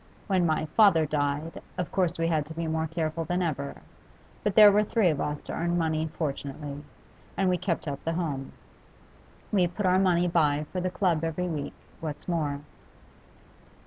When my father died, of course we had to be more careful than ever; but there were three of us to earn money, fortunately, and we kept up the home. We put our money by for the club every week, what's more.